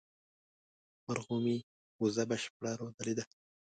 مرغومي، وزه بشپړه رودلې ده